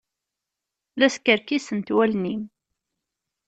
La skerkisent wallen-im.